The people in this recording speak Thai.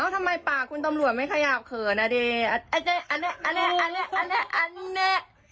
เอ้าทำไมปากคุณตำรวจไม่ขยาบเขินอ่ะดีอันนี้อันนี้อันนี้อันนี้